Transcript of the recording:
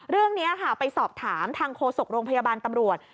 เรื่องนี้ค่ะไปสอบถามทางโฆษกโรงพยาบาลตำรวจ